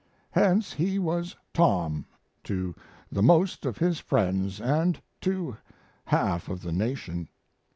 Hence, he was "Tom" to the most of his friends and to half of the nation....